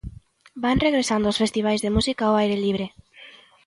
Van regresando os festivais de música ó aire libre.